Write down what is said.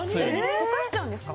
溶かしちゃうんですか？